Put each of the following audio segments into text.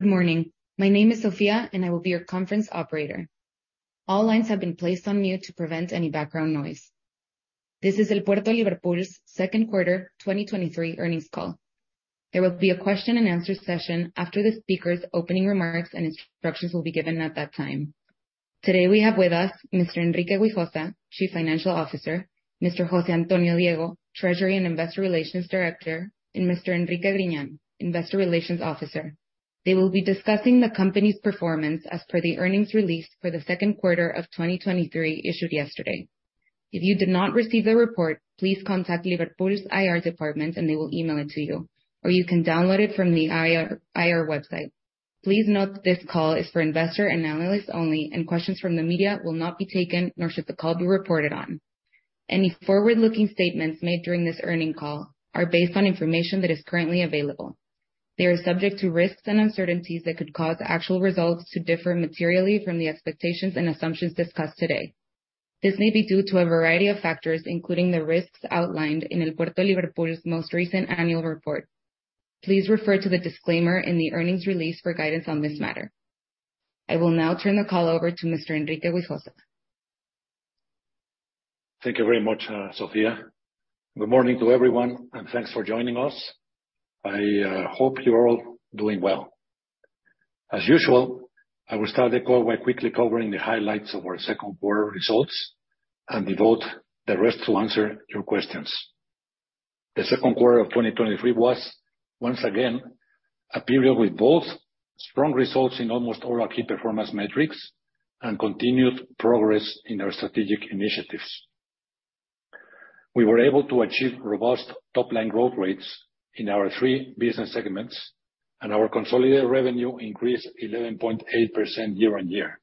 Good morning. My name is Sophia, I will be your conference operator. All lines have been placed on mute to prevent any background noise. This is El Puerto de Liverpool's second quarter 2023 earnings call. There will be a question and answer session after the speaker's opening remarks, and instructions will be given at that time. Today, we have with us Mr. Enrique Guijosa, Chief Financial Officer, Mr. José Antonio Diego, Treasury and Investor Relations Director, and Mr. Enrique Griñan, Investor Relations Officer. They will be discussing the company's performance as per the earnings release for the second quarter of 2023, issued yesterday. If you did not receive the report, please contact Liverpool's IR department, and they will email it to you, or you can download it from the IR website. Please note, this call is for investor and analysts only, and questions from the media will not be taken, nor should the call be reported on. Any forward-looking statements made during this earning call are based on information that is currently available. They are subject to risks and uncertainties that could cause actual results to differ materially from the expectations and assumptions discussed today. This may be due to a variety of factors, including the risks outlined in El Puerto de Liverpool's most recent annual report. Please refer to the disclaimer in the earnings release for guidance on this matter. I will now turn the call over to Mr. Enrique Guijosa. Thank you very much, Sophia. Good morning to everyone, thanks for joining us. I hope you're all doing well. As usual, I will start the call by quickly covering the highlights of our second quarter results and devote the rest to answer your questions. The second quarter of 2023 was, once again, a period with both strong results in almost all our key performance metrics and continued progress in our strategic initiatives. We were able to achieve robust top-line growth rates in our three business segments, our consolidated revenue increased 11.8% year-over-year.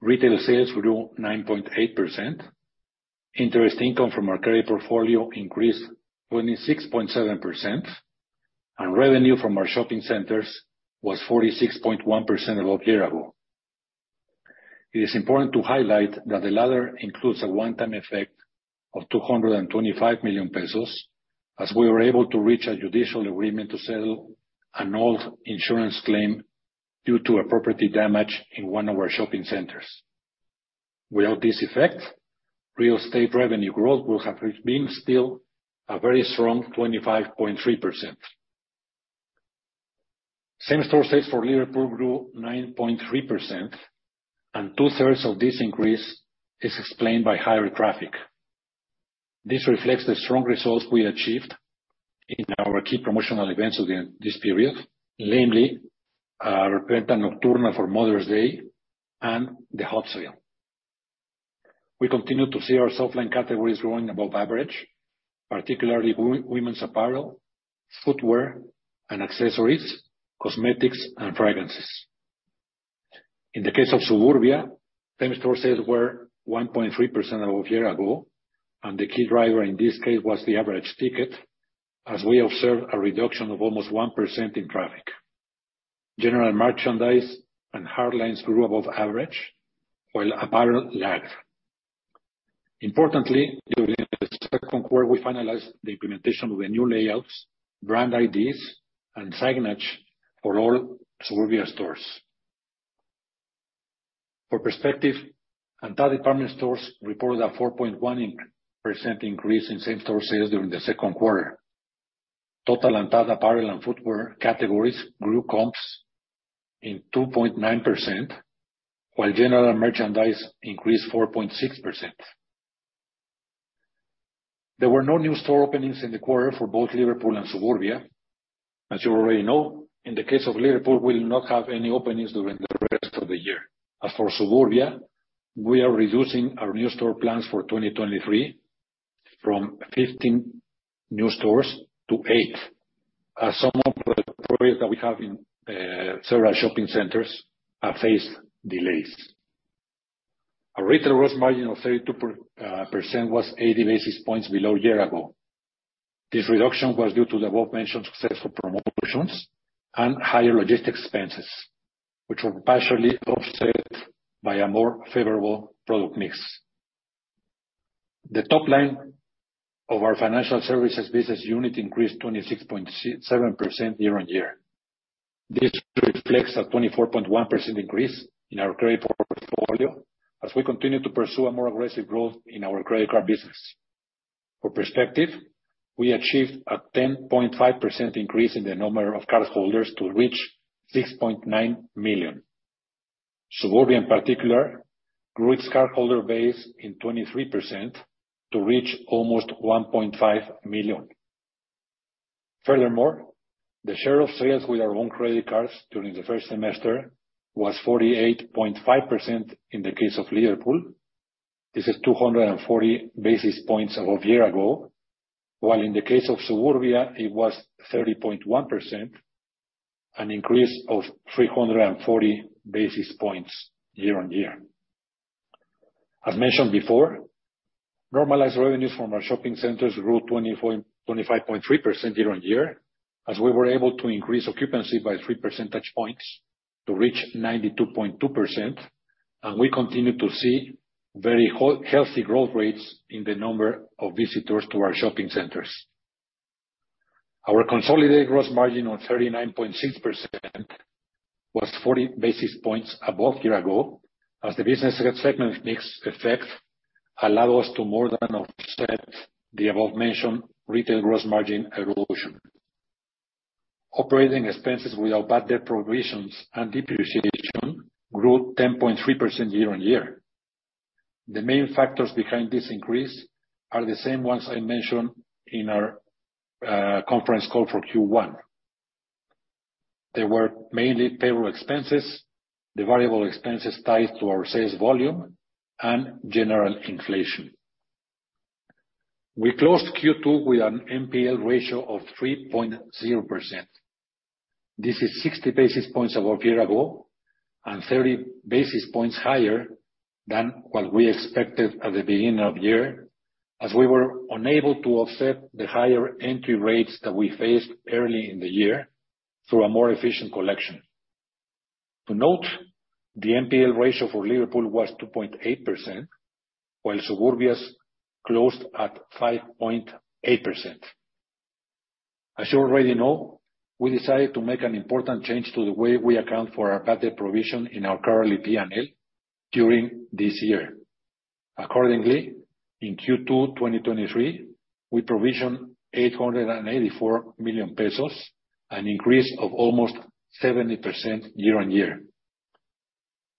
Retail sales grew 9.8%, interest income from our credit portfolio increased 26.7%, revenue from our shopping centers was 46.1% above year ago. It is important to highlight that the latter includes a one-time effect of 225 million pesos, as we were able to reach a judicial agreement to settle an old insurance claim due to a property damage in one of our shopping centers. Without this effect, real estate revenue growth will have been still a very strong 25.3%. Two-thirds of this increase is explained by higher traffic. This reflects the strong results we achieved in our key promotional events during this period, namely, Venta Nocturna for Mother's Day and the Hot Sale. We continue to see our soft line categories growing above average, particularly women's apparel, footwear and accessories, cosmetics and fragrances. In the case of Suburbia, same-store sales were 1.3% above a year ago, and the key driver in this case was the average ticket, as we observed a reduction of almost 1% in traffic. General merchandise and hard lines grew above average, while apparel lagged. Importantly, during the second quarter, we finalized the implementation of the new layouts, brand IDs, and signage for all Suburbia stores. For perspective, ANTAD department stores reported a 4.1% increase in same-store sales during the second quarter. Total ANTAD apparel and footwear categories grew comps in 2.9%, while general merchandise increased 4.6%. There were no new store openings in the quarter for both Liverpool and Suburbia. As you already know, in the case of Liverpool, we'll not have any openings during the rest of the year. As for Suburbia, we are reducing our new store plans for 2023 from 15 new stores to eight, as some of the projects that we have in several shopping centers have faced delays. Our retail gross margin of 32% was 80 basis points below year ago. This reduction was due to the above-mentioned successful promotions and higher logistic expenses, which were partially offset by a more favorable product mix. The top line of our financial services business unit increased 26.7% year-on-year. This reflects a 24.1% increase in our credit portfolio as we continue to pursue a more aggressive growth in our credit card business. For perspective, we achieved a 10.5% increase in the number of cardholders to reach 6.9 million. Suburbia, in particular, grew its cardholder base in 23% to reach almost 1.5 million. The share of sales with our own credit cards during the first semester was 48.5% in the case of Liverpool. This is 240 basis points above a year ago, while in the case of Suburbia, it was 30.1%, an increase of 340 basis points year-on-year. As mentioned before, normalized revenues from our shopping centers grew 25.3% year-on-year, as we were able to increase occupancy by three percentage points to reach 92.2%. We continue to see very healthy growth rates in the number of visitors to our shopping centers. Our consolidated gross margin on 39.6% was 40 basis points above year ago, as the business segment mix effect allowed us to more than offset the above mentioned retail gross margin erosion. Operating expenses without bad debt provisions and depreciation grew 10.3% year-on-year. The main factors behind this increase are the same ones I mentioned in our conference call for Q1. They were mainly payroll expenses, the variable expenses tied to our sales volume, and general inflation. We closed Q2 with an NPL ratio of 3.0%. This is 60 basis points above year ago, and 30 basis points higher than what we expected at the beginning of the year, as we were unable to offset the higher entry rates that we faced early in the year through a more efficient collection. To note, the NPL ratio for Liverpool was 2.8%, while Suburbia's closed at 5.8%. As you already know, we decided to make an important change to the way we account for our bad debt provision in our current P&L during this year. Accordingly, in Q2 2023, we provisioned 884 million pesos, an increase of almost 70% year-on-year.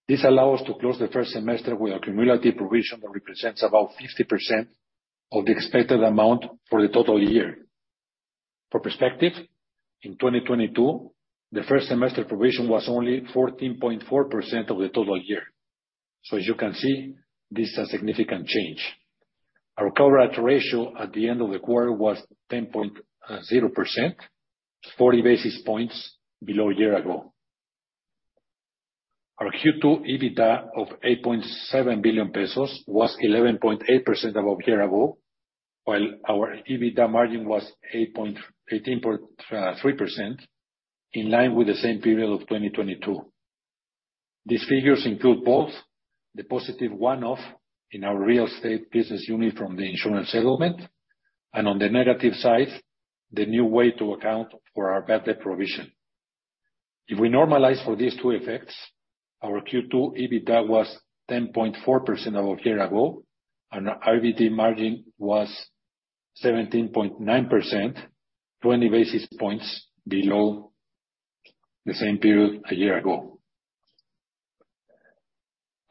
This allow us to close the first semester with a cumulative provision that represents about 50% of the expected amount for the total year. For perspective, in 2022, the first semester provision was only 14.4% of the total year. As you can see, this is a significant change. Our coverage ratio at the end of the quarter was 10.0%, 40 basis points below a year ago. Our Q2 EBITDA of 8.7 billion pesos was 11.8% above year-ago, while our EBITDA margin was 18.3%, in line with the same period of 2022. These figures include both the positive one-off in our real estate business unit from the insurance settlement, and on the negative side, the new way to account for our bad debt provision. If we normalize for these two effects, our Q2 EBITDA was 10.4% above year-ago, and our EBITDA margin was 17.9%, 20 basis points below the same period a year ago.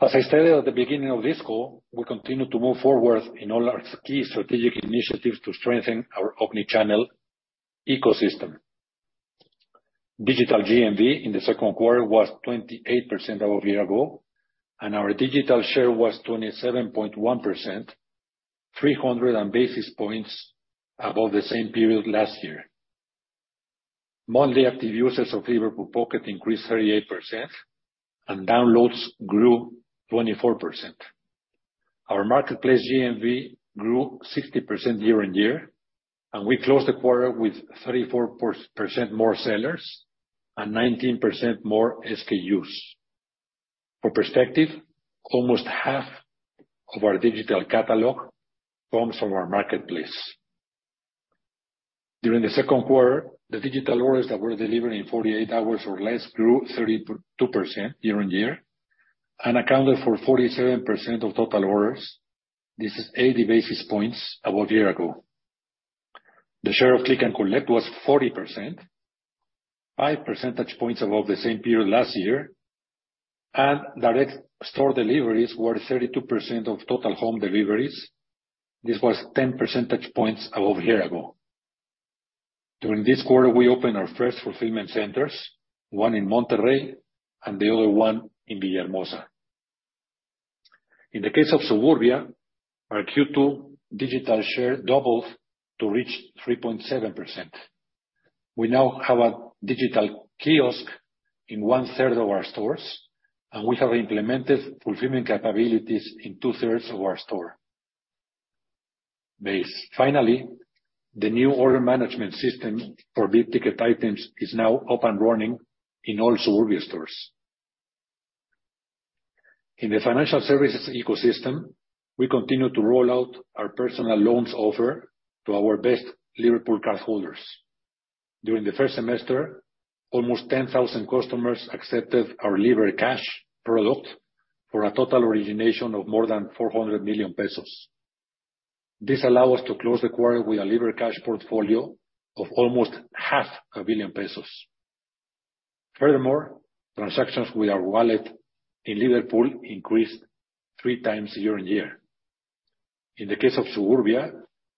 As I stated at the beginning of this call, we continue to move forward in all our key strategic initiatives to strengthen our omni-channel ecosystem. Digital GMV in the second quarter was 28% above year ago, and our digital share was 27.1%, 300 basis points above the same period last year. Monthly active users of Liverpool Pocket increased 38%, and downloads grew 24%. Our marketplace GMV grew 60% year-on-year, and we closed the quarter with 34% more sellers and 19% more SKUs. For perspective, almost half of our digital catalog comes from our marketplace. During the second quarter, the digital orders that were delivered in 48 hours or less grew 32% year-on-year and accounted for 47% of total orders. This is 80 basis points above year ago. The share of click and collect was 40%, 5 percentage points above the same period last year, and direct store deliveries were 32% of total home deliveries. This was 10 percentage points above year ago. During this quarter, we opened our first fulfillment centers, one in Monterrey and the other one in Villahermosa. In the case of Suburbia, our Q2 digital share doubled to reach 3.7%. We now have a digital kiosk in 1/3 of our stores, and we have implemented fulfillment capabilities in 2/3 of our store base. Finally, the new order management system for big ticket items is now up and running in all Suburbia stores. In the financial services ecosystem, we continue to roll out our personal loans offer to our best Liverpool cardholders. During the first semester, almost 10,000 customers accepted our Liverpool Cash product for a total origination of more than 400 million pesos. This allow us to close the quarter with a Liverpool Cash portfolio of almost half a billion pesos. Transactions with our wallet in Liverpool increased 3x year-over-year. In the case of Suburbia,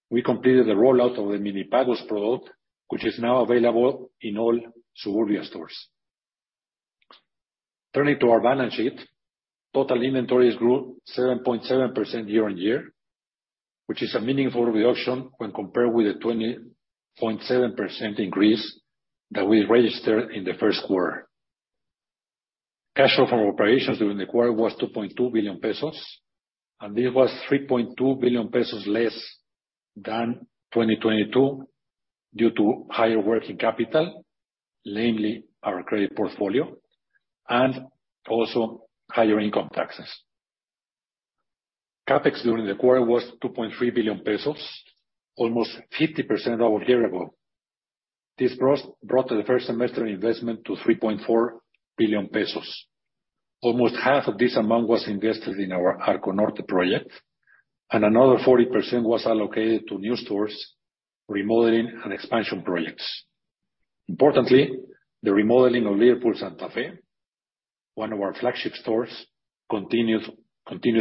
we completed the rollout of the Mini Pagos product, which is now available in all Suburbia stores. Turning to our balance sheet, total inventories grew 7.7% year-over-year, which is a meaningful reduction when compared with the 20.7% increase that we registered in the first quarter. Cash flow from operations during the quarter was 2.2 billion pesos. This was 3.2 billion pesos less than 2022, due to higher working capital, namely our credit portfolio, and also higher income taxes. CapEx during the quarter was 2.3 billion pesos, almost 50% over year ago. This brought the first semester investment to 3.4 billion pesos. Almost half of this amount was invested in our Arco Norte project. Another 40% was allocated to new stores, remodeling, and expansion projects. Importantly, the remodeling of Liverpool Santa Fe, one of our flagship stores, continues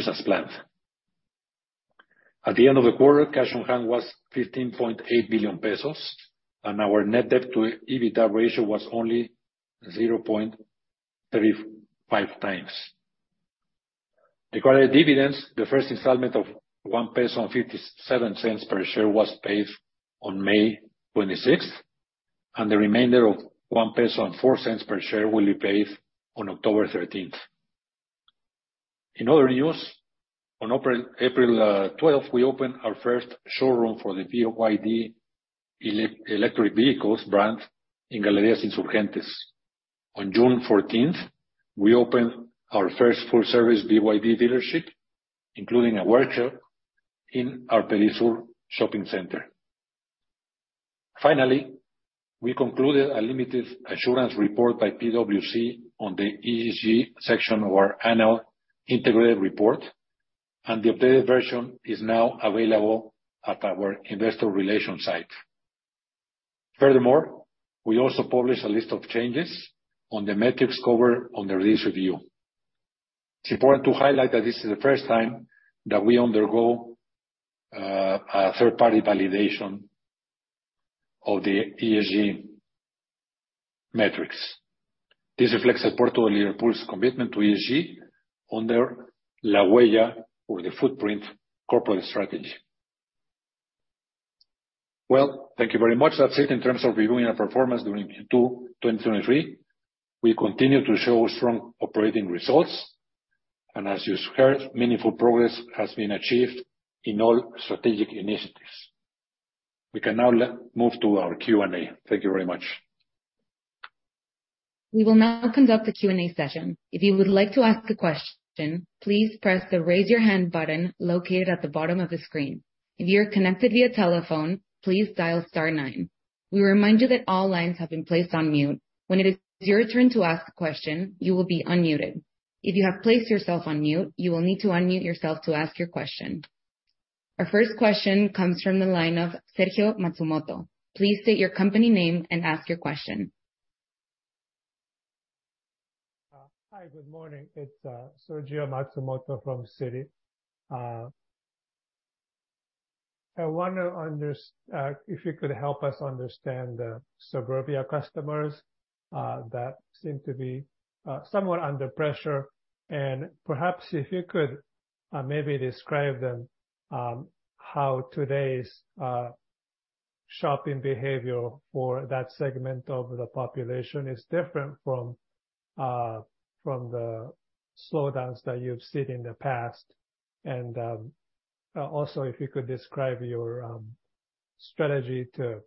as planned. At the end of the quarter, cash on hand was 15.8 billion pesos. Our net debt to EBITDA ratio was only 0.35x. Regarding dividends, the first installment of 1.57 peso per share was paid on May 26th. The remainder of 1.04 peso per share will be paid on October 13th. In other news, on April 12th, we opened our first showroom for the BYD electric vehicles brand in Galerias Insurgentes. On June 14th, we opened our first full-service BYD dealership, including a workshop in our Perisur shopping center. We concluded a limited assurance report by PwC on the ESG section of our annual integrated report, and the updated version is now available at our investor relations site. We also published a list of changes on the metrics covered on the release review. It's important to highlight that this is the first time that we undergo a third-party validation of the ESG metrics. This reflects the portfolio's commitment to ESG on their La Huella, or the footprint, corporate strategy. Thank you very much. That's it in terms of reviewing our performance during Q2 2023. We continue to show strong operating results, as you heard, meaningful progress has been achieved in all strategic initiatives. We can now move to our Q&A. Thank you very much. We will now conduct a Q&A session. If you would like to ask a question, please press the Raise Your Hand button located at the bottom of the screen. If you are connected via telephone, please dial star nine. We remind you that all lines have been placed on mute. When it is your turn to ask a question, you will be unmuted. If you have placed yourself on mute, you will need to unmute yourself to ask your question. Our first question comes from the line of Sergio Matsumoto. Please state your company name and ask your question. Hi, good morning. It's Sergio Matsumoto from Citi. I wonder if you could help us understand the Suburbia customers that seem to be somewhat under pressure. Perhaps if you could maybe describe them, how today's shopping behavior for that segment of the population is different from the slowdowns that you've seen in the past. Also, if you could describe your strategy to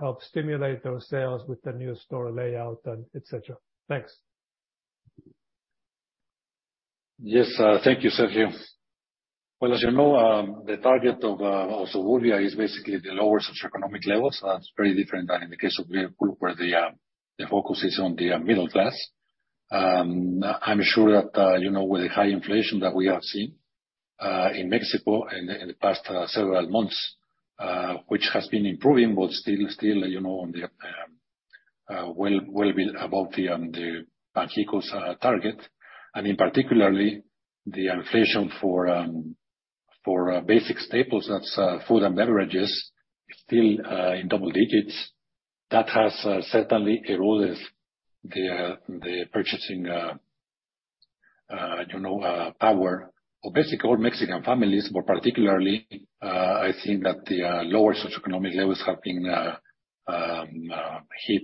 help stimulate those sales with the new store layout and et cetera. Thanks. Yes, thank you, Sergio. Well, as you know, the target of Suburbia is basically the lower socioeconomic levels. That's very different than in the case of Liverpool, where the focus is on the middle class. I'm sure that, you know, with the high inflation that we have seen in Mexico in the past several months, which has been improving, but still, you know, well above the Banxico's target. In particular, the inflation for basic staples, that's food and beverages, is still in double digits. That has certainly eroded the purchasing, you know, power of basically all Mexican families. Particularly, I think that the lower socioeconomic levels have been hit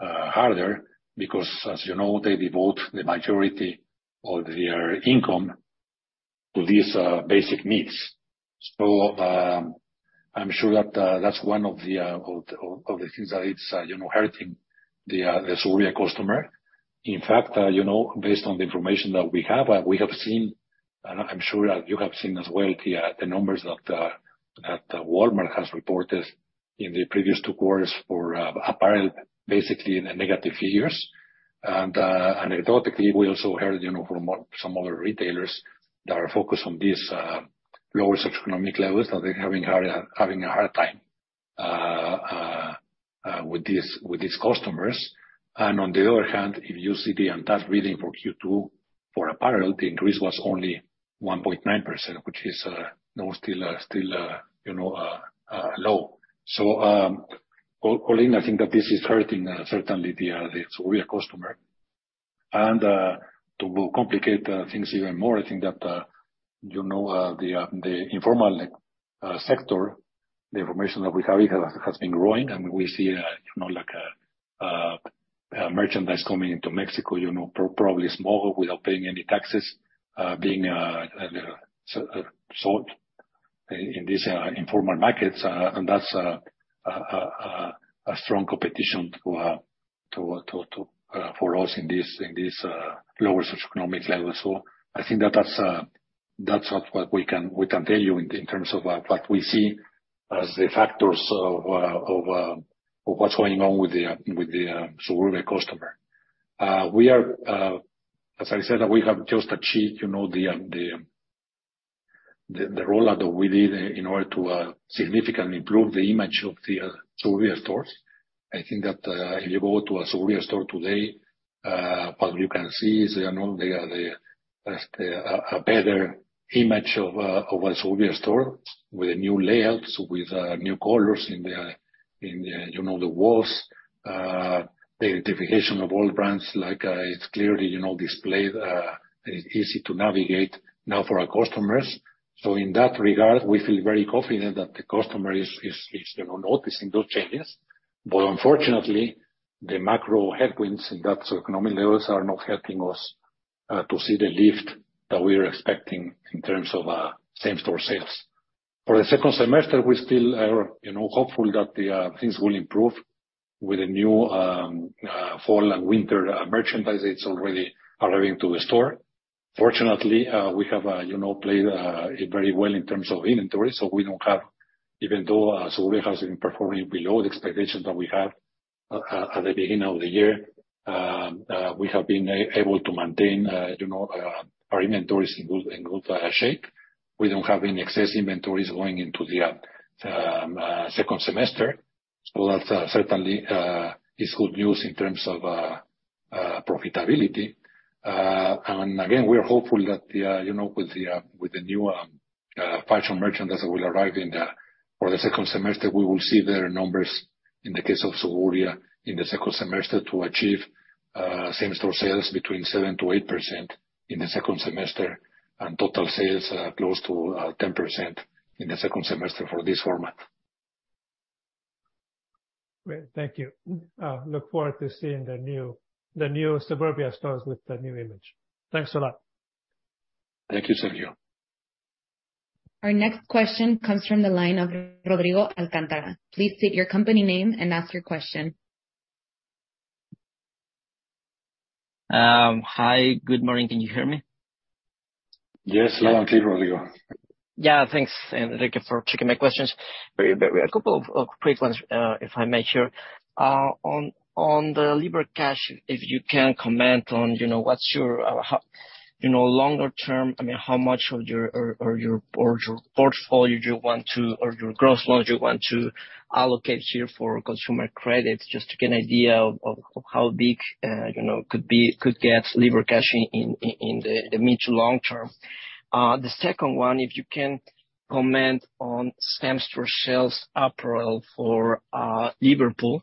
harder, because as you know, they devote the majority of their income to these basic needs. I'm sure that that's one of the things that is, you know, hurting the Suburbia customer. In fact, you know, based on the information that we have, we have seen, and I'm sure that you have seen as well, the numbers that Walmart has reported in the previous two quarters for apparel, basically in the negative figures. Anecdotally, we also heard, you know, from some other retailers that are focused on these lower socioeconomic levels, that they're having a hard time with these, with these customers. On the other hand, if you see the ANTAD reading for Q2, for apparel, the increase was only 1.9%, which is still low. Overall, I think that this is hurting certainly the Suburbia customer. To complicate things even more, I think that the informal sector, the information that we have, it has been growing, and we see like merchandise coming into Mexico, probably small, without paying any taxes, being sold in these informal markets. That's a strong competition to us in this lower socioeconomic level. I think that that's what we can, we can tell you in terms of what we see as the factors of of what's going on with the with the Suburbia customer. We are, as I said, we have just achieved, you know, the rollout that we did in order to significantly improve the image of the Suburbia stores. I think that if you go to a Suburbia store today, what you can see is, you know, they are the a better image of of a Suburbia store, with new layouts, with new colors in the in the, you know, the walls. The identification of all brands like, it's clearly, you know, displayed. It's easy to navigate now for our customers. In that regard, we feel very confident that the customer is, you know, noticing those changes. Unfortunately, the macro headwinds in that socioeconomic levels are not helping us to see the lift that we are expecting in terms of same-store sales. For the second semester, we're still, you know, hopeful that things will improve with the new fall and winter merchandise. It's already arriving to the store. Fortunately, we have, you know, played very well in terms of inventory, so we don't have even though Suburbia has been performing below the expectations that we had at the beginning of the year, we have been able to maintain, you know, our inventories in good shape. We don't have any excess inventories going into the second semester. That certainly is good news in terms of profitability. Again, we are hopeful that, you know, with the new fashion merchandise that will arrive in the for the second semester, we will see their numbers, in the case of Suburbia, in the second semester, to achieve same-store sales between 7%-8% in the second semester, and total sales close to 10% in the second semester for this format. Great. Thank you. Look forward to seeing the new Suburbia stores with the new image. Thanks a lot. Thank you, Sergio. Our next question comes from the line of Rodrigo Alcantara. Please state your company name and ask your question. Hi, good morning. Can you hear me? Yes, loud and clear, Rodrigo. Yeah, thanks, Enrique, for taking my questions. Very a couple of quick ones, if I may share. On Liverpool Cash, if you can comment on, you know, what's your, how, you know, longer term, I mean, how much of your, or your portfolio you want to, or your gross loans you want to allocate here for consumer credit? Just to get an idea of how big, you know, could be, could get Liverpool Cash in the mid to long term. The second one, if you can comment on same-store sales apparel for Liverpool,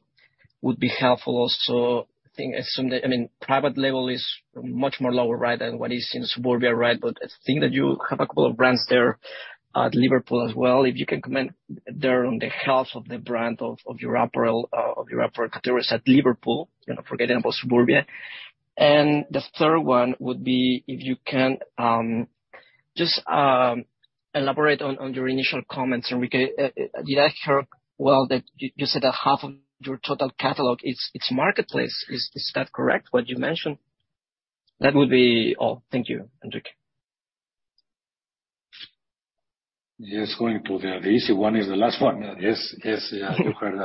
would be helpful also. I think, assume that, I mean, private label is much more lower, right, than what is in Suburbia, right? I think that you have a couple of brands there at Liverpool as well. If you can comment there on the health of the brand of your apparel categories at Liverpool, you know, forgetting about Suburbia. The third one would be if you can just elaborate on your initial comments, Enrique. Did I hear well, that you said that half of your total catalog is marketplace? Is that correct, what you mentioned? That would be all. Thank you, Enrique. Yes, going to the easy one is the last one. Yes, yes, you heard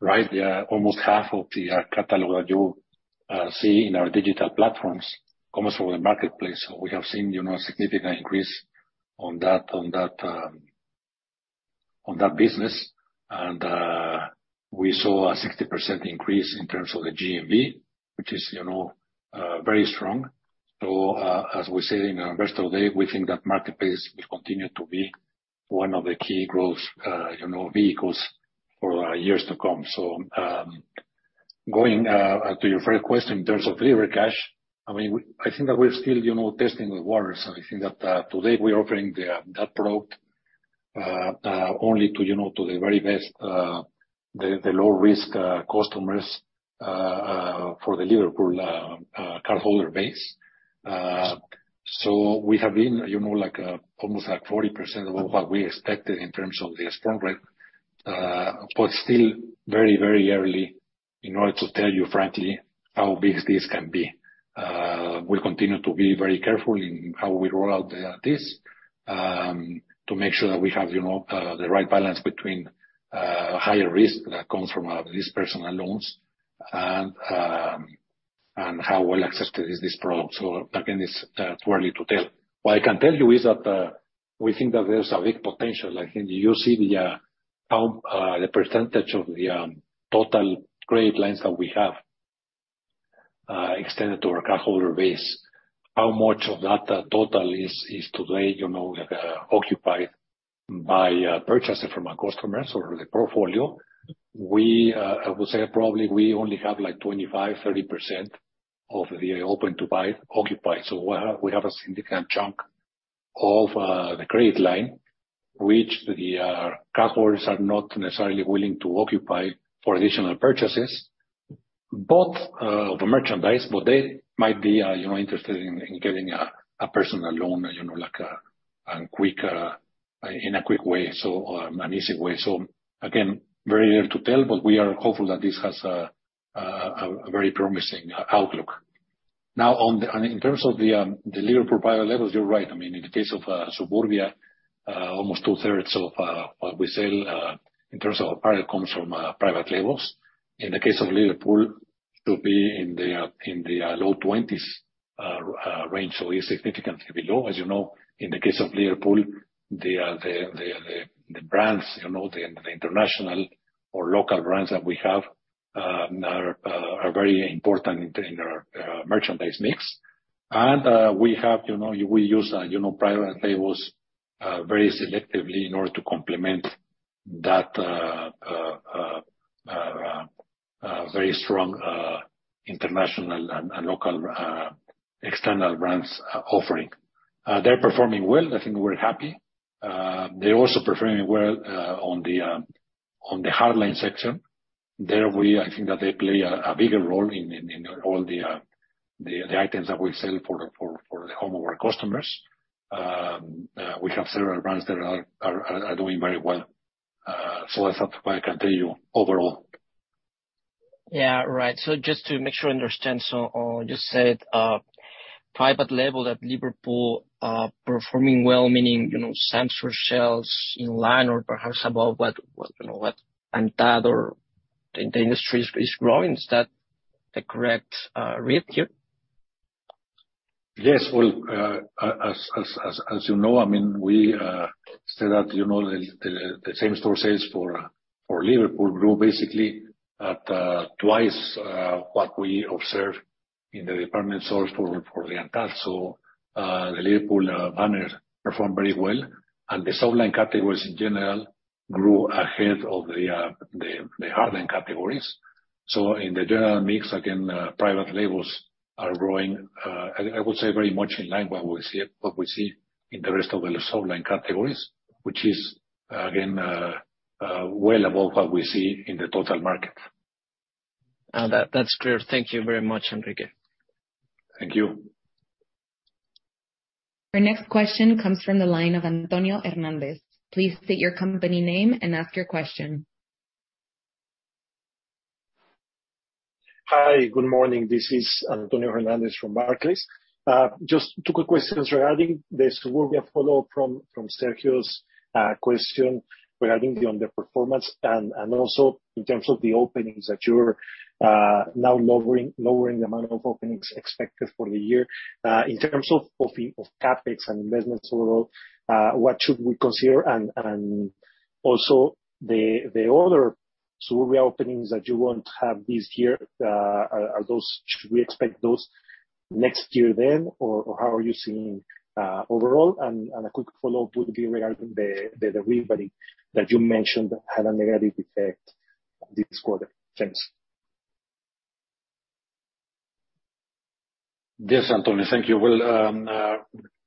right. Yeah, almost half of the catalog that you see in our digital platforms comes from the marketplace. We have seen, you know, a significant increase on that, on that business. We saw a 60% increase in terms of the GMV, which is, you know, very strong. As we said in our investor day, we think that marketplace will continue to be one of the key growth, you know, vehicles for years to come. Going to your first question, in terms of Liverpool Cash, I mean, we, I think that we're still, you know, testing the waters. I think that today, we're offering the that product only to, you know, to the very best, the low-risk customers for the Liverpool cardholder base. We have been, you know, like, almost at 40% of what we expected in terms of the install rate. Still very, very early in order to tell you frankly, how big this can be. We'll continue to be very careful in how we roll out this to make sure that we have, you know, the right balance between higher risk that comes from these personal loans and how well accessed is this product. Again, it's too early to tell. What I can tell you is that we think that there's a big potential, like, when you see the how the % of the total credit lines that we have extended to our cardholder base, how much of that total is today occupied by purchases from our customers or the portfolio. We, I would say probably we only have, like, 25%-30% of the open to buy occupied, we have a significant chunk of the credit line, which the customers are not necessarily willing to occupy for additional purchases, both of the merchandise, but they might be interested in getting a personal loan, like a an quicker, in a quick way, an easy way. Again, very early to tell, but we are hopeful that this has a very promising outlook. On the, and in terms of the Liverpool private labels, you're right. I mean, in the case of Suburbia, almost 2/3 of what we sell in terms of private, comes from private labels. In the case of Liverpool, it will be in the in the low twenties range, so is significantly below. As you know, in the case of Liverpool, the brands, you know, the international or local brands that we have are very important in merchandise mix. We have, you know, we use, you know, private labels very selectively in order to complement that very strong international and local external brands offering. They're performing well. I think we're happy. They're also performing well on the hard line section. There, I think that they play a bigger role in all the items that we sell for the home of our customers. We have several brands that are doing very well, so that's what I can tell you overall. Yeah. Right. Just to make sure I understand, so, you said, private label at Liverpool are performing well, meaning, you know, same-store sales in line or perhaps above what, you know, what, and that or the industry is growing. Is that the correct, read here? Yes. Well, as you know, I mean, we said that, you know, the same-store sales for Liverpool grew basically at twice what we observed in the department store for the entire. The Liverpool banner performed very well, and the softline categories in general grew ahead of the hardline categories. In the general mix, again, private labels are growing, I would say very much in line what we see in the rest of the softline categories, which is again, well above what we see in the total market. That's clear. Thank you very much, Enrique. Thank you. Our next question comes from the line of Antonio Hernandez. Please state your company name and ask your question. Hi, good morning. This is Antonio Hernandez from Barclays. Just two quick questions regarding the Suburbia follow from Sergio's question regarding the underperformance and also in terms of the openings, that you're now lowering the amount of openings expected for the year. In terms of CapEx and investment overall, what should we consider? Also the other Suburbia openings that you won't have this year, should we expect those next year then? How are you seeing overall? A quick follow-up would be regarding the rebate that you mentioned had a negative effect this quarter. Thanks. Yes, Antonio, thank you. Well,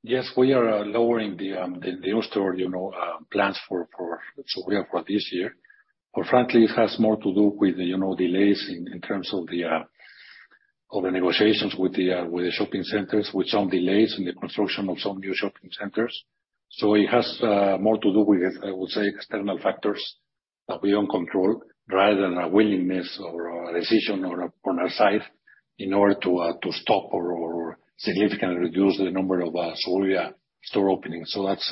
yes, we are lowering the store, you know, plans for Suburbia for this year. Frankly, it has more to do with the, you know, delays in terms of the negotiations with the shopping centers, with some delays in the construction of some new shopping centers. It has more to do with, I would say, external factors that we don't control, rather than a willingness or a decision on our side, in order to stop or significantly reduce the number of Suburbia store openings. That's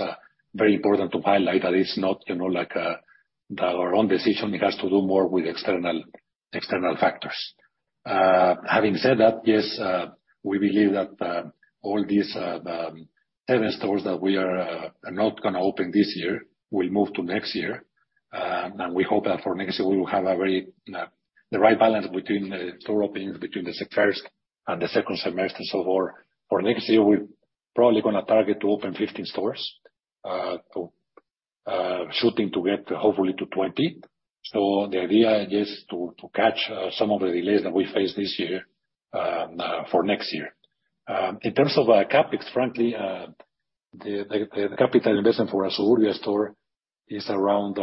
very important to highlight, that it's not, you know, like that our own decision, it has to do more with external factors. Having said that, yes, we believe that all these 10 stores that we are not gonna open this year will move to next year. We hope that for next year, we will have a very right balance between the store openings between the first and the second semester. For next year, we're probably gonna target to open 15 stores to shooting to get hopefully to 20. The idea is to catch some of the delays that we face this year for next year. In terms of CapEx, frankly, the capital investment for a Suburbia store is around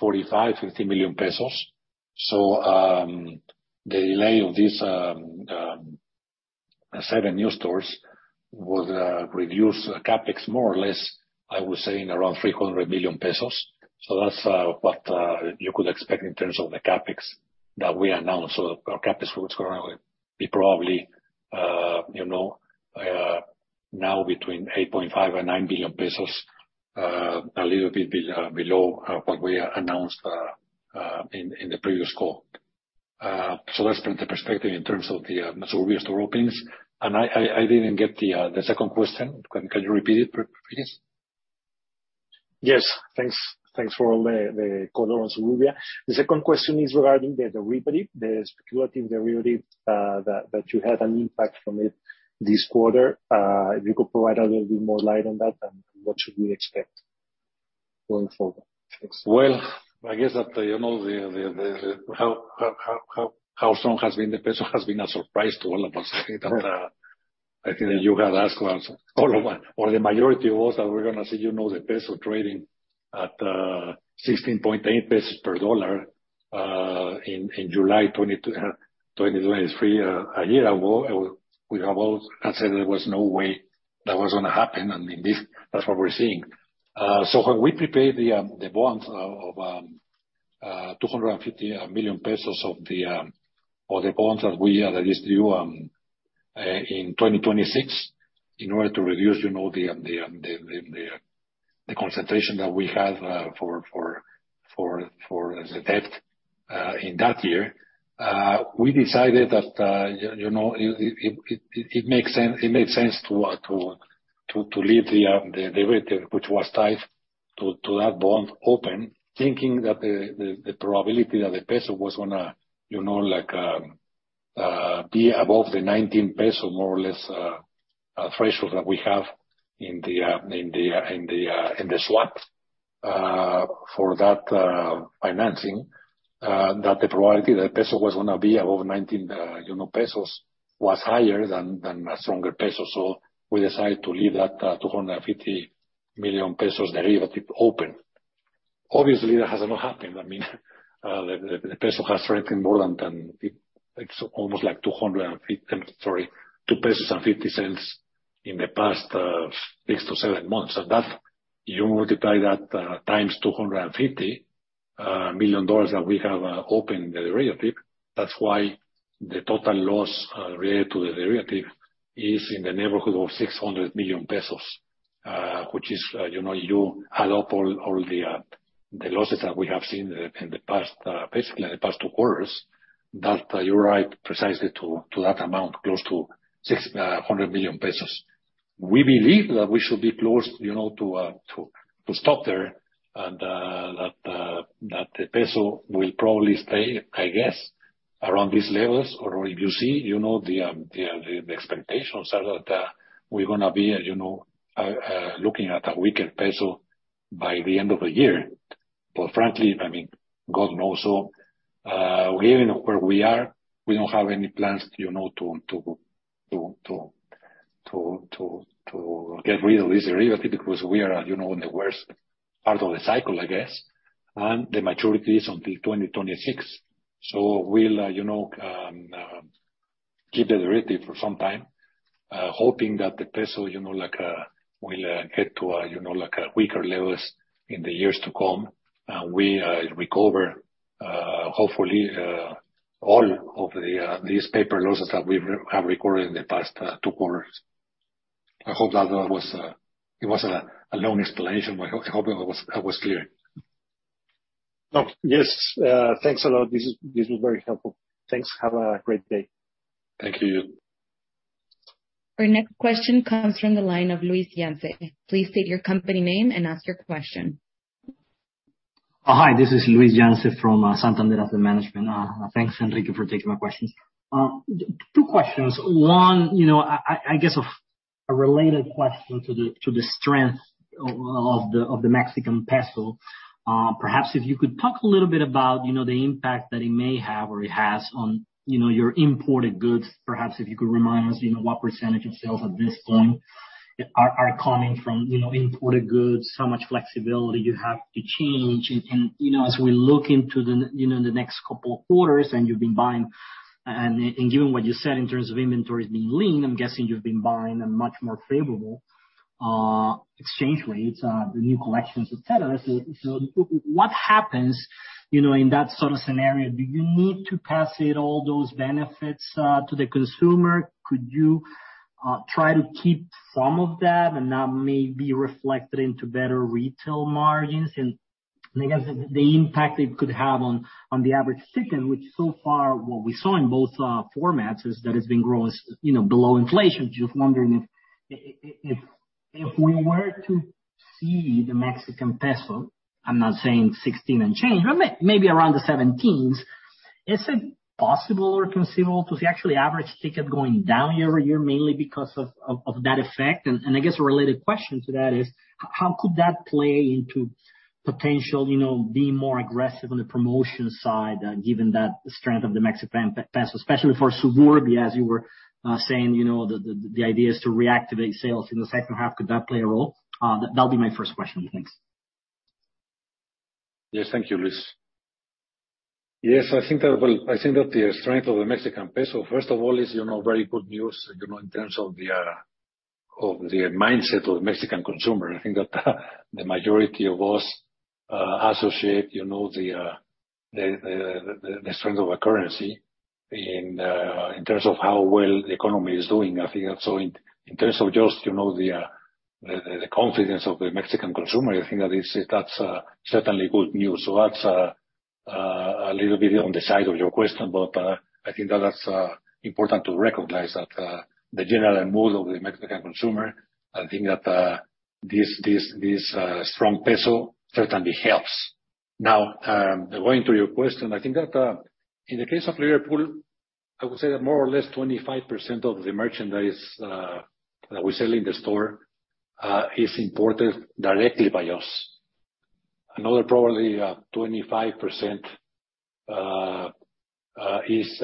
45 million-50 million pesos. The delay of this seven new stores would reduce CapEx more or less, I would say, in around 300 million pesos. That's what you could expect in terms of the CapEx that we announced. Our CapEx would currently be probably, you know, now between 8.5 billion and 9 billion pesos, a little bit below what we announced in the previous call. That's the perspective in terms of the Suburbia store openings. I didn't get the second question. Can you repeat it, please? Yes. Thanks. Thanks for all the color on Suburbia. The second question is regarding the rebate, the speculative rebate that you had an impact from it this quarter. If you could provide a little bit more light on that, and what should we expect? Well, I guess that, you know, how strong has been the peso has been a surprise to all of us. I think that you have asked us all of us, or the majority of us, that we're gonna see, you know, the peso trading at 16.8 pesos per dollar in July 2023, a year ago. We have all had said there was no way that was gonna happen. Indeed, that's what we're seeing. When we prepaid the bonds of 250 million pesos or the bonds that are due in 2026, in order to reduce, you know, the concentration that we have for the debt in that year, we decided that, you know, it made sense to leave the derivative, which was tied to that bond open, thinking that the probability that the peso was going to, you know, like, be above the 19 peso, more or less, a threshold that we have in the slot for that financing. That the probability that the peso was gonna be above 19, you know, pesos was higher than a stronger peso. We decided to leave that 250 million pesos derivative open. Obviously, that has not happened. I mean, the peso has strengthened more than it's almost like Sorry, 2.50 pesos in the past 6-7 months. That, you multiply that times $250 million that we have open the derivative, that's why the total loss related to the derivative is in the neighborhood of 600 million pesos, which is, you know, you add up all the losses that we have seen in the past, basically in the past two quarters, that you arrive precisely to that amount, close to 600 million pesos. We believe that we should be close, you know, to stop there, that the peso will probably stay, I guess, around these levels. If you see, you know, the expectations are that we're gonna be, you know, looking at a weaker peso by the end of the year. Frankly, I mean, God knows, so we, where we are, we don't have any plans, you know, to get rid of this derivative, because we are, you know, in the worst part of the cycle, I guess, and the maturity is until 2026. We'll, you know, keep the derivative for some time, hoping that the peso, you know, like, will get to, you know, like, a weaker levels in the years to come, and we recover, hopefully, all of the these paper losses that we've have recorded in the past, two quarters. I hope that was, it was a long explanation, but I hope it was, that was clear. No, yes, thanks a lot. This was very helpful. Thanks. Have a great day. Thank you. Our next question comes from the line of Luis Lianes. Please state your company name and ask your question. Hi, this is Luis Lianes from Santander Asset Management. Thanks, Enrique, for taking my questions. Two questions. One, you know, I guess a related question to the strength of the Mexican peso. Perhaps if you could talk a little bit about, you know, the impact that it may have or it has on, you know, your imported goods. Perhaps if you could remind us, you know, what % of sales at this point are coming from, you know, imported goods, how much flexibility you have to change? you know, as we look into the next couple of quarters, you've been buying, and given what you said in terms of inventories being lean, I'm guessing you've been buying a much more favorable exchange rates, the new collections, et cetera. What happens, you know, in that sort of scenario? Do you need to pass it, all those benefits, to the consumer? Could you try to keep some of that, and that may be reflected into better retail margins? I guess the impact it could have on the average ticket, which so far, what we saw in both formats, is that it's been growing, you know, below inflation. Just wondering if we were to see the Mexican peso, I'm not saying sixteen and change, but maybe around the seventeens, is it possible or conceivable to see actually average ticket going down year-over-year, mainly because of that effect? I guess a related question to that is: how could that play into potential, you know, being more aggressive on the promotion side, given that strength of the Mexican peso, especially for Suburbia, as you were saying, you know, the idea is to reactivate sales in the second half. Could that play a role? That'll be my first question. Thanks. Yes. Thank you, Luis. Yes, I think that, well, I think that the strength of the Mexican peso, first of all, is, you know, very good news, you know, in terms of the mindset of the Mexican consumer. I think that the majority of us associate, you know, the strength of a currency in terms of how well the economy is doing. I think that in terms of just, you know, the confidence of the Mexican consumer, I think that is, that's certainly good news. That's a little bit on the side of your question, but I think that's important to recognize that the general mood of the Mexican consumer, I think that this strong peso certainly helps. Now, going to your question, I think that in the case of Liverpool, I would say that more or less 25% of the merchandise that we sell in the store is imported directly by us. Another probably 25% is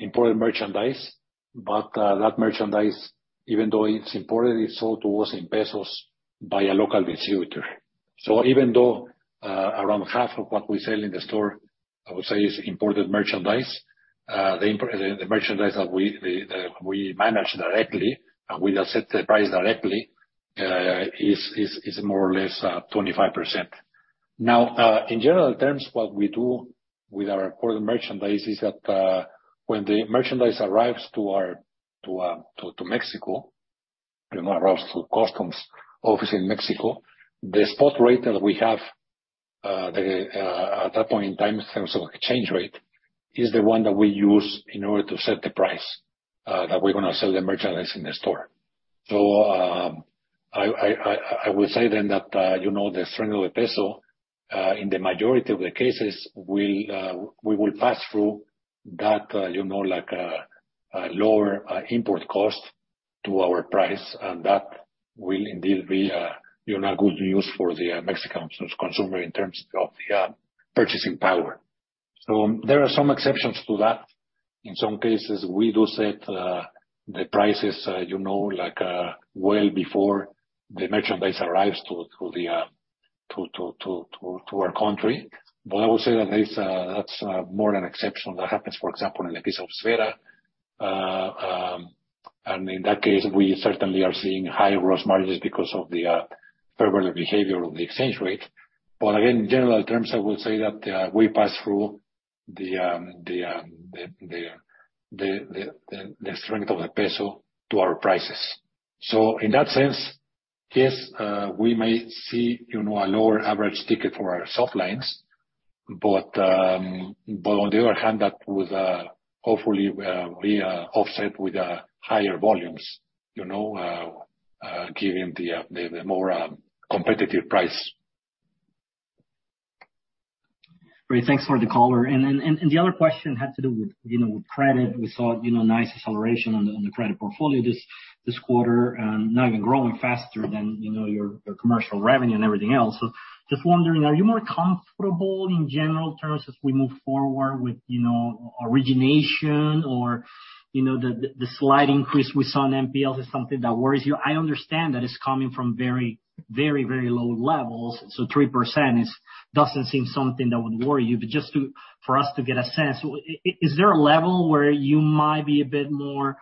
imported merchandise, but that merchandise, even though it's imported, it's sold to us in pesos by a local distributor. Even though around half of what we sell in the store, I would say, is imported merchandise, the merchandise that we manage directly, and we set the price directly, is more or less 25%. Now, in general terms, what we do with our imported merchandise is that, when the merchandise arrives to our, to Mexico, you know, arrives through customs office in Mexico, the spot rate that we have, at that point in time, in terms of exchange rate, is the one that we use in order to set the price that we're gonna sell the merchandise in the store. I will say then that, you know, the strength of the peso, in the majority of the cases will, we will pass through that, you know, like a lower import cost to our price, and that will indeed be, you know, good news for the Mexican consumer in terms of the purchasing power. There are some exceptions to that. In some cases, we do set the prices, you know, like well before the merchandise arrives to our country. I would say that is that's more an exception that happens, for example, in the case of Sfera. In that case, we certainly are seeing higher gross margins because of the favorable behavior of the exchange rate. Again, in general terms, I would say that we pass through the strength of the peso to our prices. In that sense, yes, we may see, you know, a lower average ticket for our soft lines, but on the other hand, that would hopefully be offset with higher volumes, you know, given the more competitive price. Great. Thanks for the color. The other question had to do with, you know, with credit. We saw, you know, nice acceleration on the credit portfolio this quarter, now you're growing faster than, you know, your commercial revenue and everything else. Just wondering, are you more comfortable in general terms as we move forward with, you know, origination or, you know, the slight increase we saw in NPLs, is something that worries you? I understand that it's coming from very low levels, 3% doesn't seem something that would worry you. Just to, for us to get a sense, is there a level where you might be a bit more,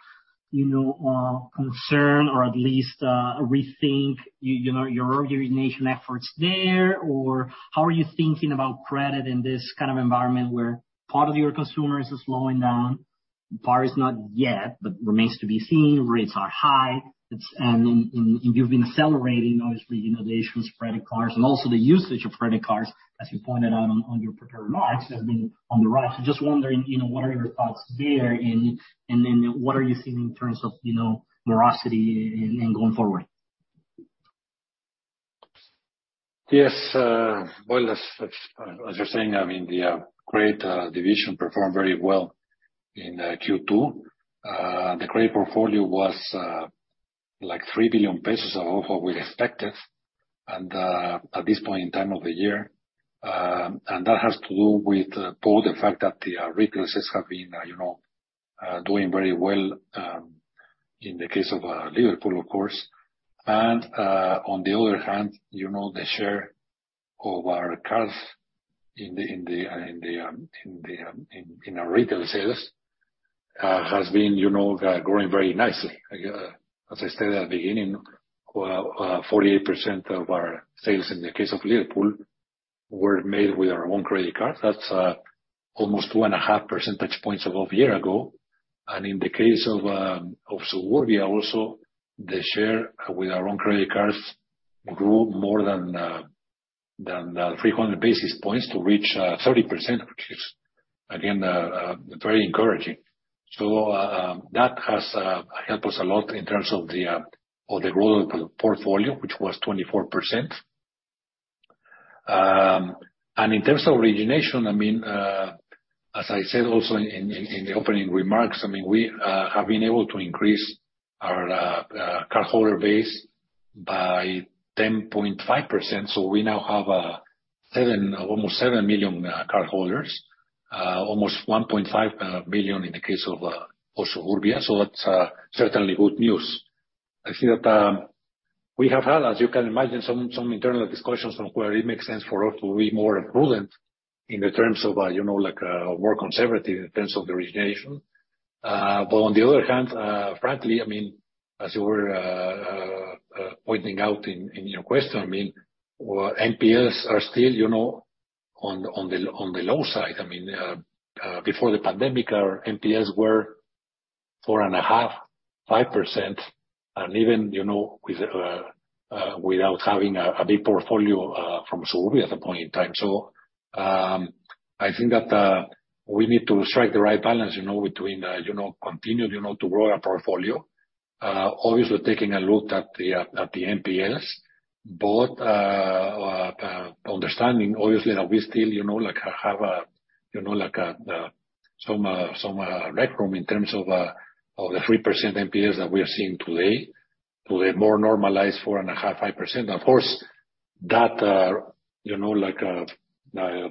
you know, concerned or at least rethink, you know, your origination efforts there? How are you thinking about credit in this kind of environment, where part of your consumers are slowing down, part is not yet, but remains to be seen, rates are high, and you've been accelerating obviously, you know, the issuance of credit cards and also the usage of credit cards, as you pointed out on your prepared remarks, have been on the rise. Just wondering, you know, what are your thoughts there, and then what are you seeing in terms of, you know, veracity and going forward? Yes, well, as you're saying, I mean, the credit division performed very well in Q2. The credit portfolio was like 3 billion pesos above what we expected, and at this point in time of the year. That has to do with both the fact that the retail sales have been, you know, doing very well, in the case of Liverpool, of course. On the other hand, you know, the share of our cards in our retail sales has been, you know, growing very nicely. As I stated at the beginning, 48% of our sales in the case of Liverpool were made with our own credit card. That's almost 2.5 percentage points above a year ago. In the case of Suburbia also, the share with our own credit cards grew more than 300 basis points to reach 30%, which is again very encouraging. That has helped us a lot in terms of the growth of the portfolio, which was 24%. In terms of origination, I mean, as I said also in the opening remarks, I mean, we have been able to increase our cardholder base by 10.5%, so we now have almost seven million cardholders, almost 1.5 million in the case of Suburbia. That's certainly good news. I think that, we have had, as you can imagine, some internal discussions on where it makes sense for us to be more prudent in the terms of, you know, like, more conservative in terms of the origination. On the other hand, frankly, I mean, as you were pointing out in your question, I mean, NPLs are still, you know, on the low side. I mean, before the pandemic, our NPLs were 4.5%, 5%, and even, you know, without having a big portfolio from Soravia at that point in time. I think that we need to strike the right balance, you know, between continue to grow our portfolio-... obviously taking a look at the at the NPLs, but understanding obviously that we still, you know, like, have a, you know, like, a some some rec room in terms of of the 3% NPLs that we are seeing today, to a more normalized 4.5%-5%. Of course, that, you know, like,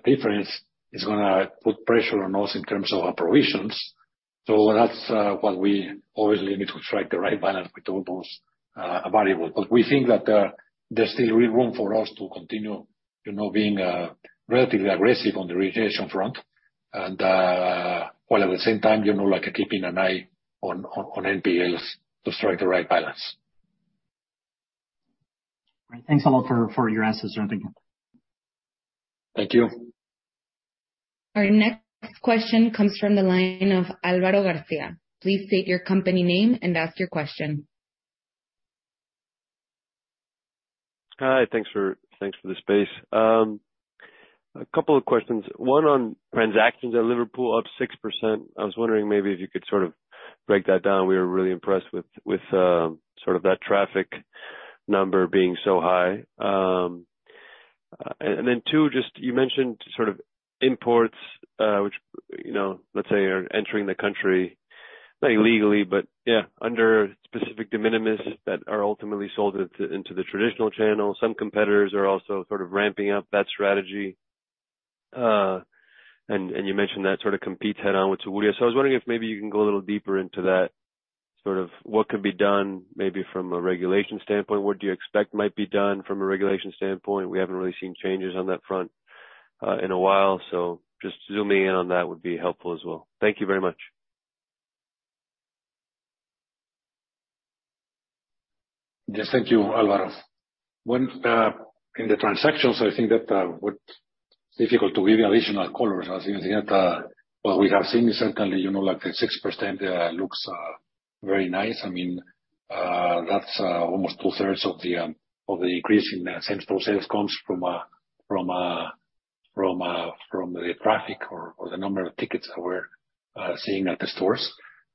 difference is gonna put pressure on us in terms of our provisions. That's what we obviously need to strike the right balance with all those variable. We think that there's still room for us to continue, you know, being, relatively aggressive on the remediation front, and while at the same time, you know, like, keeping an eye on, on NPLs to strike the right balance. Right. Thanks a lot for your answers, Enrique. Thank you. Our next question comes from the line of Álvaro García. Please state your company name and ask your question. Hi, thanks for the space. A couple of questions. One, on transactions at Liverpool, up 6%. I was wondering maybe if you could sort of break that down. We were really impressed with sort of that traffic number being so high. Then two, just you mentioned sort of imports, which, you know, let's say are entering the country, not illegally, but yeah, under specific de minimis that are ultimately sold into the traditional channel. Some competitors are also sort of ramping up that strategy, and you mentioned that sort of competes head-on with Suburbia. I was wondering if maybe you can go a little deeper into that, sort of what could be done, maybe from a regulation standpoint, what do you expect might be done from a regulation standpoint? We haven't really seen changes on that front, in a while. Just zooming in on that would be helpful as well. Thank you very much. Yes, thank you, Álvaro. One, in the transactions, I think that what difficult to give additional colors, as I think that what we have seen is certainly, you know, like the 6% looks very nice. I mean, that's almost two-thirds of the increase in same-store sales comes from the traffic or the number of tickets that we're seeing at the stores.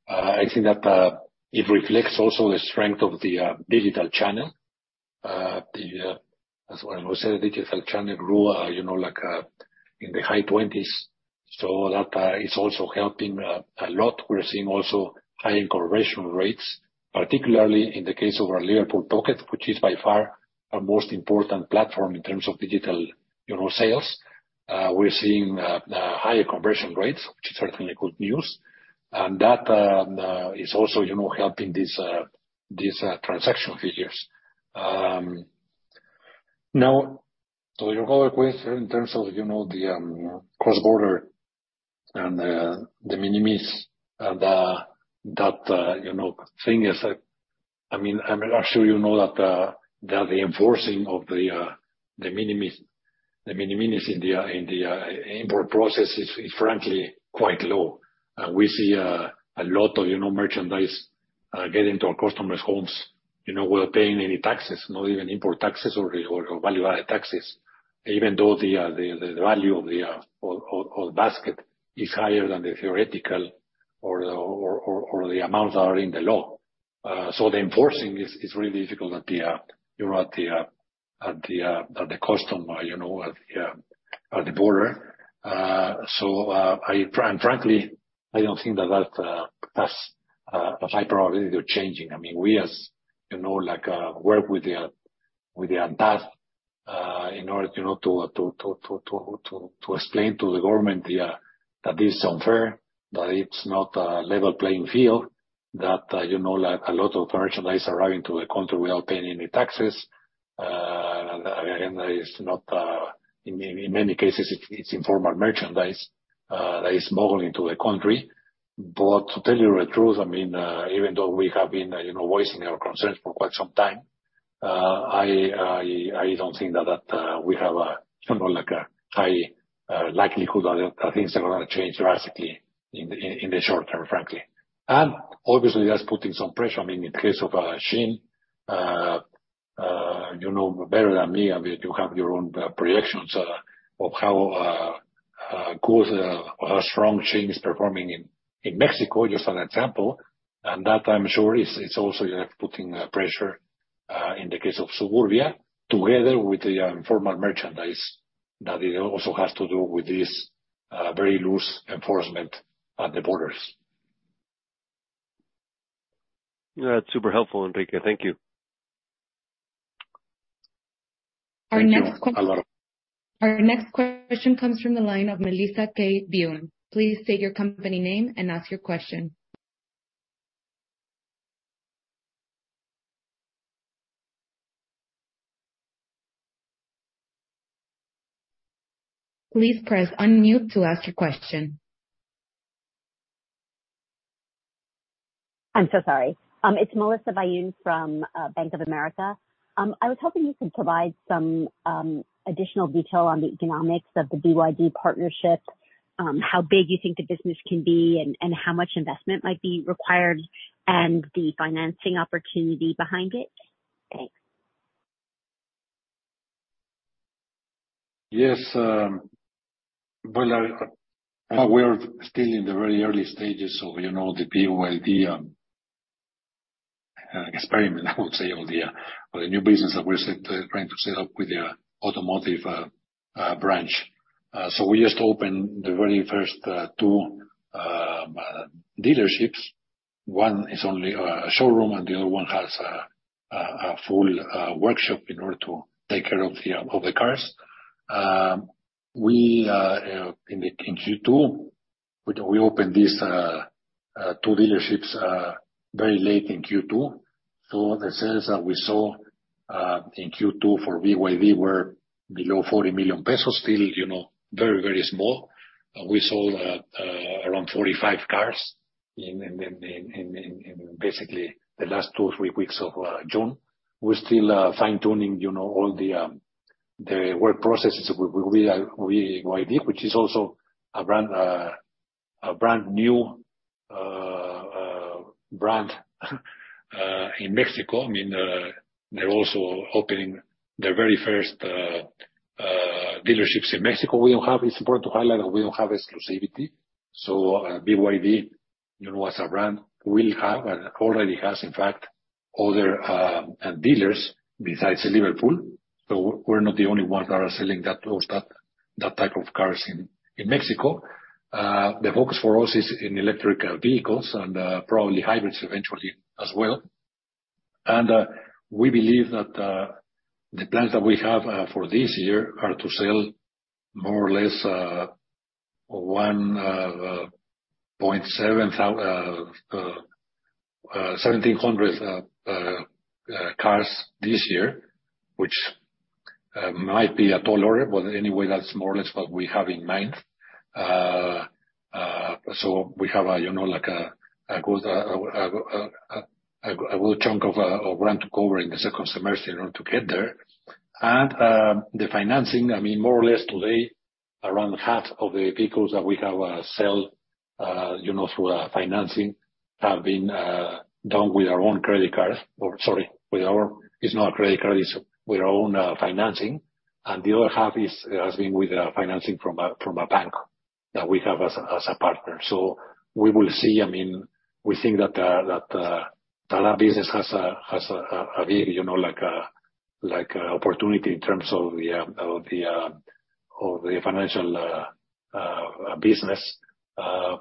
I think that it reflects also the strength of the digital channel. The, as I said, the digital channel grew, you know, like in the high twenties, that is also helping a lot. We're seeing also high incorporation rates, particularly in the case of our Liverpool Pocket, which is by far our most important platform in terms of digital, you know, sales. We're seeing higher conversion rates, which is certainly good news, and that is also, you know, helping these transaction figures. To your other question in terms of, you know, the cross-border and the de minimis, that, you know, thing is, I mean, I'm sure you know that the enforcing of the de minimis in the import process is frankly quite low. We see a lot of, you know, merchandise get into our customers' homes, you know, without paying any taxes, not even import taxes or value-added taxes, even though the value of the basket is higher than the theoretical or the amounts are in the law. The enforcing is really difficult at the, you know, at the, at the, at the customer, you know, at the border. And frankly, I don't think that has a high probability of changing. I mean, we as, you know, like, work with the, with the ANTAD, in order, you know, to explain to the government the, that this is unfair, that it's not a level playing field, that, you know, like, a lot of merchandise arriving to the country without paying any taxes, and is not, in many cases, it's informal merchandise, that is smuggling into the country. To tell you the truth, I mean, even though we have been, you know, voicing our concerns for quite some time, I don't think that we have a, you know, like a high likelihood that things are gonna change drastically in the short term, frankly. Obviously, that's putting some pressure. I mean, in the case of Shein, you know better than me, I mean, you have your own projections of how good or how strong Shein is performing in Mexico, just an example. That, I'm sure, is, it's also, you know, putting pressure in the case of Suburbia, together with the formal merchandise, that it also has to do with this very loose enforcement at the borders. That's super helpful, Enrique. Thank you. Thank you, Álvaro. Our next question comes from the line of Melissa K. Byun. Please state your company name and ask your question. Please press unmute to ask your question. I'm so sorry. It's Melissa Byun from Bank of America. I was hoping you could provide some additional detail on the economics of the BYD partnership, how big you think the business can be and how much investment might be required, and the financing opportunity behind it? Thanks. Yes, well, I, we are still in the very early stages of, you know, the BYD experiment, I would say, or the new business that we're trying to set up with the automotive branch. We just opened the very first two dealerships. One is only a showroom, and the other one has a full workshop in order to take care of the cars. We in Q2, we opened these two dealerships very late in Q2, so the sales that we saw in Q2 for BYD were below 40 million pesos, still, you know, very, very small. We sold around 45 cars in basically the last two, three weeks of June. We're still fine-tuning, you know, all the work processes with BYD, which is also a brand new brand in Mexico. I mean, they're also opening their very first dealerships in Mexico. It's important to highlight that we don't have exclusivity. BYD, you know, as a brand, will have, and already has, in fact, other dealers besides Liverpool. We're not the only ones that are selling that type of cars in Mexico. The focus for us is in electric vehicles and probably hybrids eventually as well. We believe that the plans that we have for this year are to sell more or less 1,700 cars this year, which might be a total, but anyway, that's more or less what we have in mind. We have a good chunk of ground to cover in the second semester in order to get there. The financing, I mean, more or less today, around half of the vehicles that we have sell through financing, have been done with our own credit card or with our... It's not a credit card, it's with our own, financing, and the other half is, has been with, financing from a, from a bank that we have as a, as a partner. We will see. I mean, we think that, that business has a, has a big, you know, like a opportunity in terms of the, of the, of the financial, business.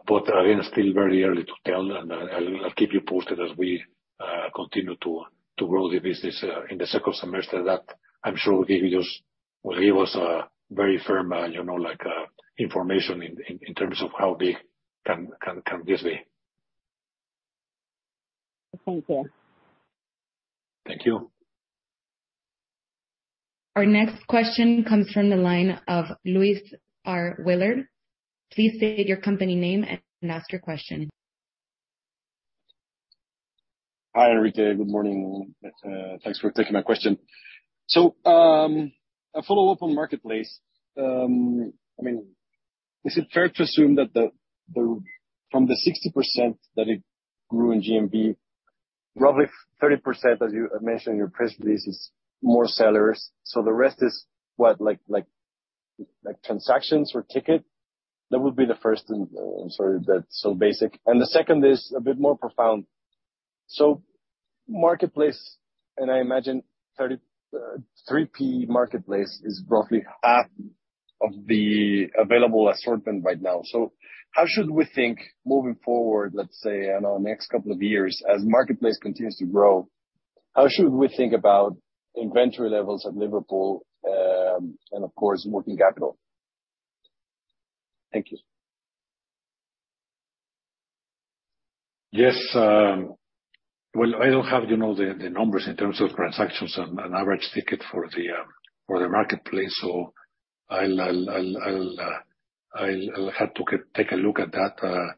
Again, still very early to tell, and I'll keep you posted as we, continue to grow the business, in the second semester, that I'm sure will give us a very firm, you know, like, information in terms of how big can this be. Thank you. Thank you. Our next question comes from the line of Luis R. Willard. Please state your company name and ask your question. Hi, Enrique. Good morning. Thanks for taking my question. A follow-up on Marketplace. I mean, is it fair to assume that the, from the 60% that it grew in GMV, roughly 30%, as you have mentioned in your press release, is more sellers. The rest is what, like, transactions or ticket? That would be the first and I'm sorry if that's so basic. The second is a bit more profound. Marketplace, and I imagine 3P Marketplace, is roughly half of the available assortment right now. How should we think moving forward, let's say, I don't know, next couple of years, as Marketplace continues to grow, how should we think about inventory levels at Liverpool, and of course, working capital? Thank you. Yes. Well, I don't have, you know, the numbers in terms of transactions on an average ticket for the marketplace, so I'll have to take a look at that.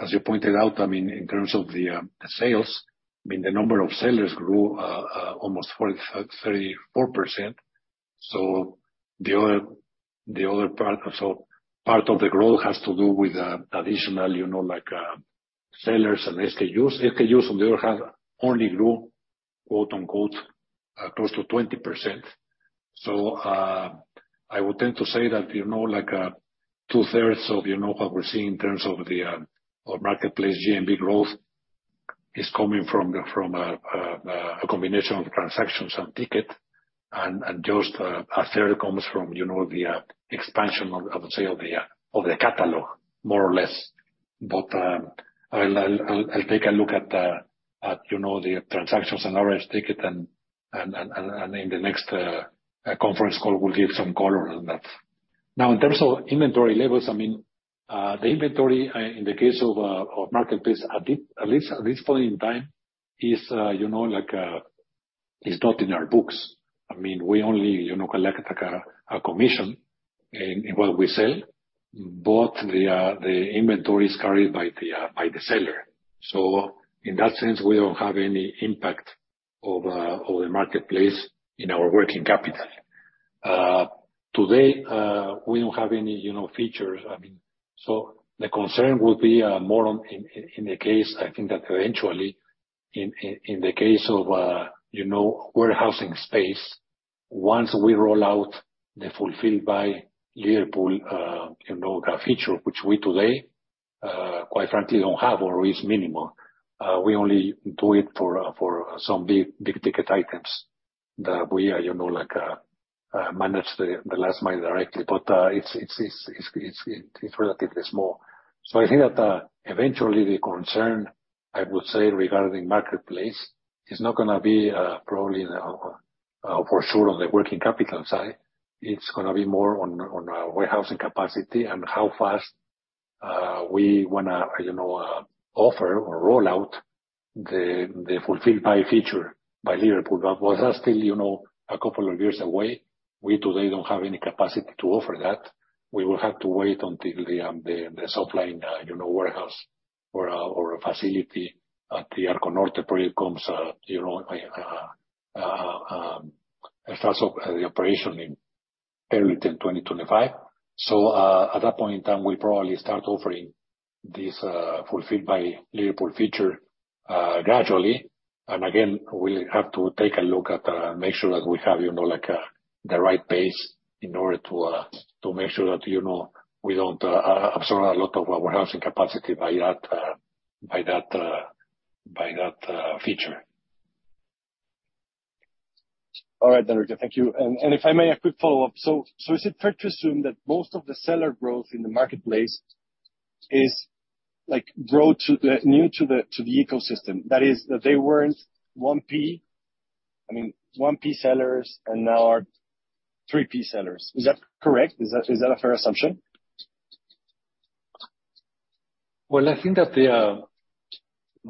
As you pointed out, I mean, in terms of the sales, I mean, the number of sellers grew almost 34%. The other, the other part, so part of the growth has to do with additional, you know, like, sellers and SKUs. SKUs on the other half only grew, quote, unquote, "close to 20%." I would tend to say that, you know, two-thirds of, you know, what we're seeing in terms of the of Marketplace GMV growth is coming from the, from a combination of transactions and ticket, and just a third comes from, you know, the expansion of the catalog, more or less. I'll take a look at the, you know, the transactions and average ticket and in the next conference call will give some color on that. In terms of inventory levels, I mean, the inventory in the case of Marketplace, at least at this point in time, is, you know, like, is not in our books. I mean, we only, you know, collect, like, a commission in what we sell, but the inventory is carried by the seller. In that sense, we don't have any impact of the Marketplace in our working capital. Today, we don't have any, you know, features. The concern would be more on in the case of, you know, warehousing space, once we roll out the Fulfilled by Liverpool, you know, the feature which we today, quite frankly, don't have or is minimal. We only do it for for some big, big ticket items that we, you know, like, manage the last mile directly, but it's relatively small. I think that eventually the concern, I would say, regarding marketplace is not gonna be probably the for sure on the working capital side. It's gonna be more on our warehousing capacity and how fast we wanna, you know, offer or roll out the Fulfilled by Liverpool feature by Liverpool. That's still, you know, a couple of years away. We today don't have any capacity to offer that. We will have to wait until the soft line, you know, warehouse or facility at the Arco Norte project comes, you know, as far as the operation in early 2025. At that point in time, we'll probably start offering this Fulfilled by Liverpool feature gradually. Again, we'll have to take a look at, make sure that we have, you know, like, the right pace in order to make sure that, you know, we don't absorb a lot of our warehousing capacity by that feature. All right, Enrique, thank you. If I may, a quick follow-up. Is it fair to assume that most of the seller growth in the marketplace is like growth new to the ecosystem? That is, that they weren't 1P, I mean, 1P sellers, and now are 3P sellers. Is that correct? Is that a fair assumption? I think that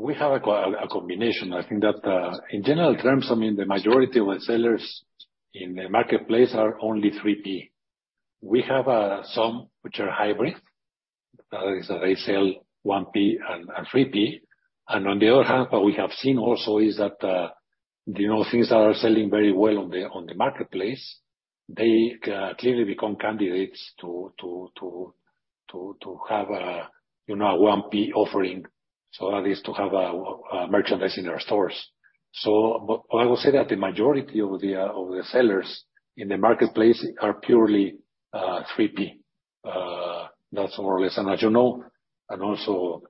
we have a combination. I think that, in general terms, I mean, the majority of our sellers in the marketplace are only 3P. We have some which are hybrid. That is, they sell 1P and 3P. On the other hand, what we have seen also is that, you know, things that are selling very well on the marketplace, they clearly become candidates to have a, you know, a 1P offering, so that is to have a merchandise in our stores. I will say that the majority of the sellers in the marketplace are purely 3P. That's more or less. As you know, and also,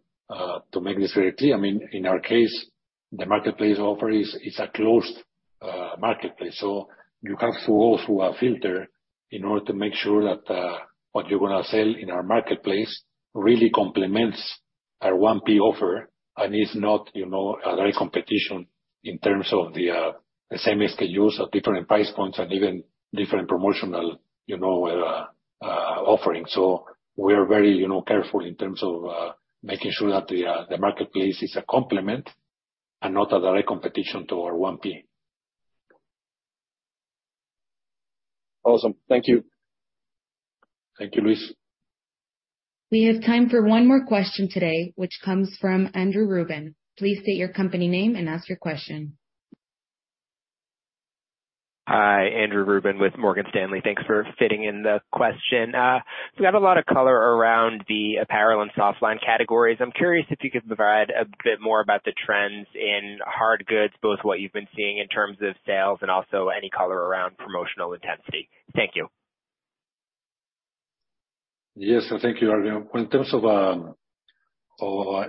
to make this very clear, I mean, in our case, the marketplace offer is a closed marketplace. You have to go through a filter in order to make sure that what you're gonna sell in our marketplace really complements our 1P offer and is not, you know, a direct competition in terms of the same SKUs at different price points and even different promotional, you know, offerings. We are very, you know, careful in terms of making sure that the marketplace is a complement and not a direct competition to our 1P. Awesome. Thank you. Thank you, Luis. We have time for one more question today, which comes from Andrew Ruben. Please state your company name and ask your question. Hi, Andrew Ruben with Morgan Stanley. Thanks for fitting in the question. We have a lot of color around the apparel and softline categories. I'm curious if you could provide a bit more about the trends in hard goods, both what you've been seeing in terms of sales and also any color around promotional intensity. Thank you. Yes, thank you, Andrew. Well, in terms of,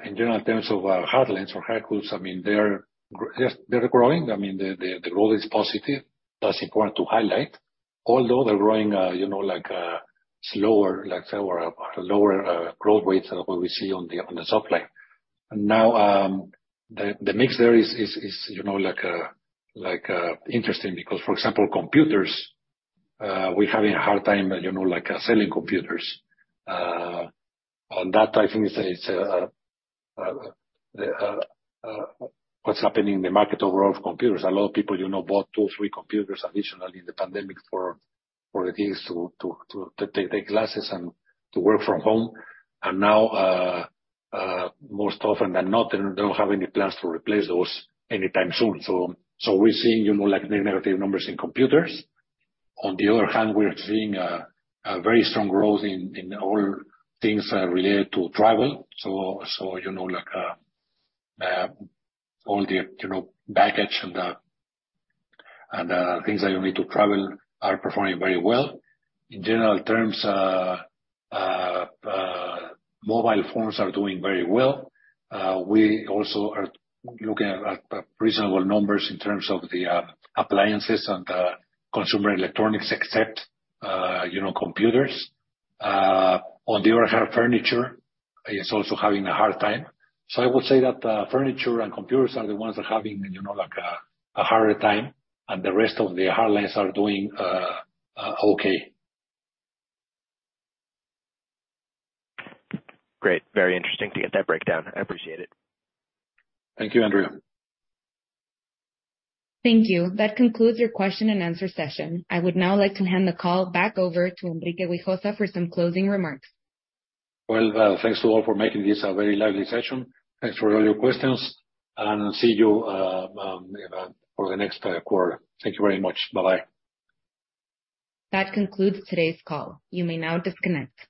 in general, in terms of hardlines or hard goods, I mean, yes, they're growing. I mean, the growth is positive. That's important to highlight. Although they're growing, you know, like slower, like say, or lower growth rates than what we see on the softline. Now, the mix there is, you know, like interesting, because, for example, computers, we're having a hard time, you know, like selling computers. On that, I think it's what's happening in the market overall of computers. A lot of people, you know, bought two, three computers additionally in the pandemic for the kids to take classes and to work from home. Now, most often than not, they don't have any plans to replace those anytime soon. We're seeing, you know, like, the negative numbers in computers. On the other hand, we're seeing very strong growth in all things related to travel. You know, like, all the, you know, baggage and things that you need to travel are performing very well. In general terms, mobile phones are doing very well. We also are looking at reasonable numbers in terms of the appliances and the consumer electronics, except, you know, computers. On the other hand, furniture is also having a hard time. I would say that, furniture and computers are the ones that are having, you know, like a harder time, and the rest of the hardlines are doing, okay. Great. Very interesting to get that breakdown. I appreciate it. Thank you, Andrew. Thank you. That concludes your question and answer session. I would now like to hand the call back over to Enrique Güijosa for some closing remarks. Well, thanks to all for making this a very lively session. Thanks for all your questions. See you for the next quarter. Thank you very much. Bye-bye. That concludes today's call. You may now disconnect.